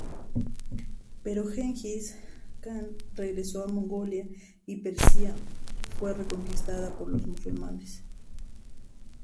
Pero Gengis Kan regresó a Mongolia, y Persia fue reconquistada por los musulmanes.